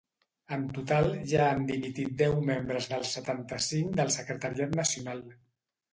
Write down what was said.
En total ja han dimitit deu membres dels setanta-cinc del secretariat nacional.